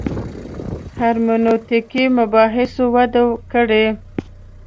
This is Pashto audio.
هرمنوتیکي مباحثو وده کړې.